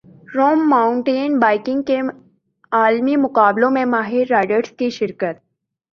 روم mountain biking کے عالمی مقابلوں میں ماہر رائیڈرز کی شرکت